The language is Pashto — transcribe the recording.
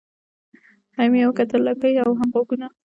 هم یې وکتل لکۍ او هم غوږونه